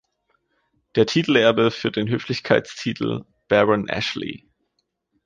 Der Titelerbe führt den Höflichkeitstitel "Baron Ashley".